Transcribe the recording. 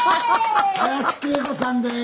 林桂子さんです。